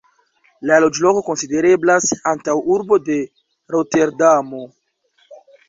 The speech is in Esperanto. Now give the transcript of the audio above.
La loĝloko konsidereblas antaŭurbo de Roterdamo.